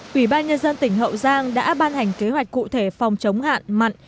quỹ ban nhân dân tỉnh hậu giang đã ban hành kế hoạch cụ thể phòng chống hạn mặn